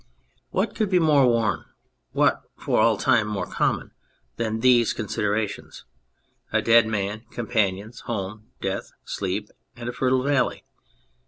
What could be more worn, what for all time more common, than these considerations, a dead man, companions, home, death, sleep and a fertile valley